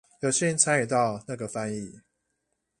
有幸參與到那個翻譯